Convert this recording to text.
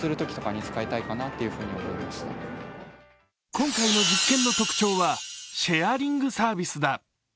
今回の実験の特徴はシェアリングサービスだ。